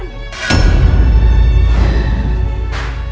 kamu tuh jahat andin